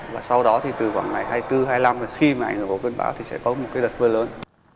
và sau đó thì từ khoảng ngày hai mươi bốn hai mươi năm khi mà ảnh hưởng của quân bão thì sẽ có một đợt mưa lớn